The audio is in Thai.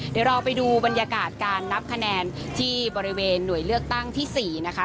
เดี๋ยวเราไปดูบรรยากาศการนับคะแนนที่บริเวณหน่วยเลือกตั้งที่๔นะคะ